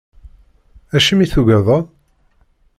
Acimi tugadeḍ?